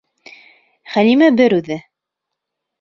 Хәлимә бер үҙе.